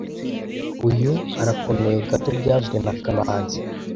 Uyu arakomeye gato byavuzwe na kamanzi